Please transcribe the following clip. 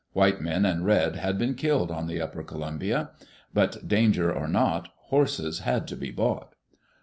White men and red had been killed on the upper Columbia. But danger or not, horses had to be bought.